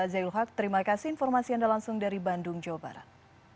zailu haq terima kasih informasi yang ada langsung dari bandung jawa barat